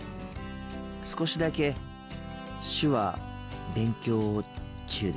少しだけ手話勉強中です。